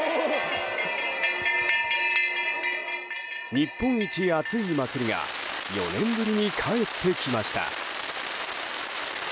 日本一熱い祭りが４年ぶりに帰ってきました。